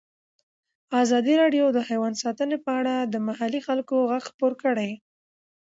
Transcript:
ازادي راډیو د حیوان ساتنه په اړه د محلي خلکو غږ خپور کړی.